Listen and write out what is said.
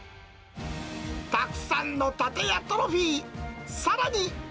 たくさんの盾やトロフィー、さらに。